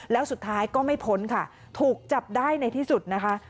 แล้วสุดท้ายก็ไม่พ้นค่ะถูกจับได้ในที่สุดนะคะ